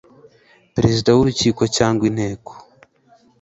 perezida w urukiko cyangwa inteko